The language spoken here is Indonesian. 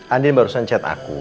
andin barusan chat aku